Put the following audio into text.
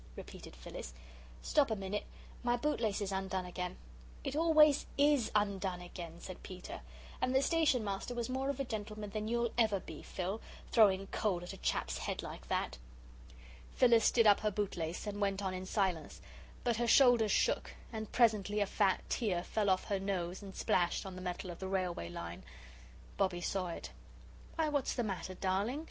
repeated Phyllis. "Stop a minute my bootlace is undone again." "It always IS undone again," said Peter, "and the Station Master was more of a gentleman than you'll ever be, Phil throwing coal at a chap's head like that." Phyllis did up her bootlace and went on in silence, but her shoulders shook, and presently a fat tear fell off her nose and splashed on the metal of the railway line. Bobbie saw it. "Why, what's the matter, darling?"